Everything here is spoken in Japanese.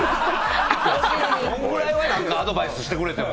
そんぐらいはアドバイスしてくれても！